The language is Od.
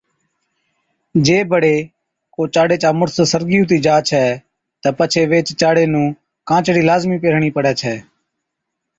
جي بڙي ڪو چاڙي چا مُڙس سرگِي ھُتِي جا ڇَي تہ پڇي ويھِچ چاڙي نُون ڪانچڙِي لازمِي پيھرڻِي پڙَي ڇَي